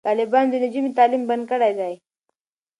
طالبانو د نجونو تعلیم بند کړی دی.